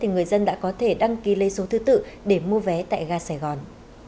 người dân đã có thể đăng ký lấy số thứ tự để mua vé tại ga sài gòn